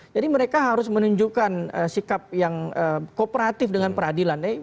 jadi mereka harus menunjukkan sikap yang kooperatif dengan peradilan